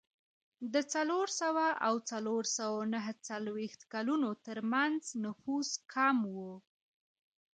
د څلور سوه او څلور سوه نهه څلوېښت کلونو ترمنځ نفوس کم و.